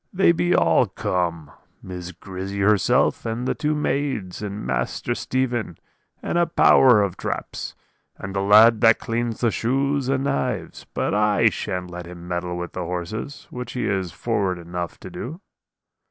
They be all come Miss Grizzy herself, and the two maids, and Master Stephen, and a power of traps; and the lad that cleans the shoes and knives. But I shan't let him meddle with the horses, which he is forward enough to do.